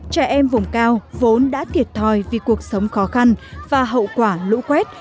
trẻ em vùng cao vốn đã thiệt thòi vì cuộc sống khó khăn và hậu quả lũ quét